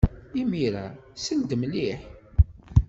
Imir-a, sel-d mliḥ.